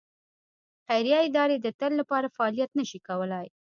خیریه ادارې د تل لپاره فعالیت نه شي کولای.